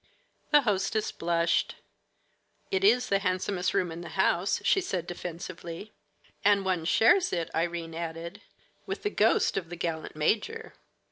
The hostess blushed. "It is the handsomest room in the house," she said defensively. "And one shares it," Irene added, "with the ghost of the gallant major."